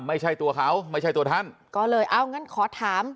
ไม่ใช่ตัวเขาไม่ใช่ตัวท่านก็เลยเอางั้นขอถาม